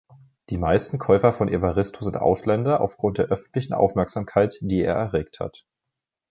Die meisten Käufer von Evaristo sind Ausländer aufgrund der öffentlichen Aufmerksamkeit, die er erregt hat.